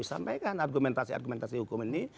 sampaikan argumentasi argumentasi hukum ini